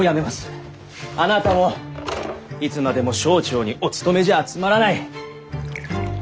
あなたもいつまでも省庁にお勤めじゃつまらない！